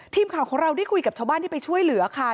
ทีมข่าวของเราได้คุยกับชาวบ้านที่ไปช่วยเหลือค่ะ